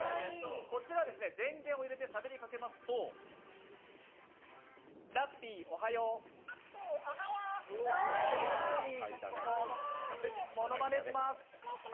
こちらは電源を入れてしゃべりかけますとラッピーおはようものまねします。